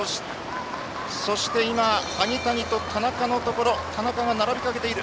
そして今、萩谷と田中のところ田中が並びかけている。